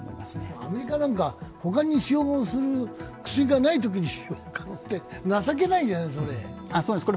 アメリカなんか、他に使用する薬がないときに、情けないじゃない、それ。